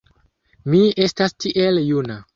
Mi estas tiel juna!